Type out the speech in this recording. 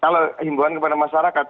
kalau imbauan kepada masyarakat